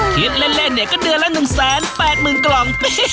คิดเล่นเนี่ยก็เดือนละ๑๘๐๐๐กล่อง